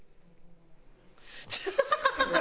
ハハハハ！